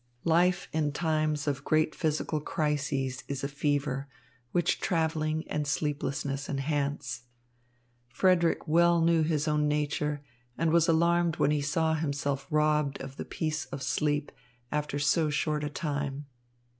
Life in times of great physical crises is a fever, which travelling and sleeplessness enhance. Frederick well knew his own nature, and was alarmed when he saw himself robbed of the peace of sleep after so short a time.